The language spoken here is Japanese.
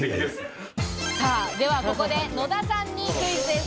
では、ここで野田さんにクイズです。